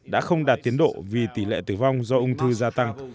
đã không đạt tiến độ vì tỷ lệ tử vong do ung thư gia tăng